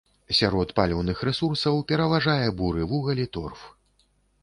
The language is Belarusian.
Сярод паліўных рэсурсаў пераважае буры вугаль і торф.